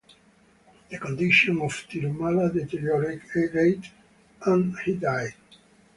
The condition of Tirumala deteriorated and he died.